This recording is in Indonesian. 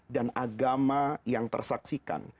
dan agama yang tersaksikan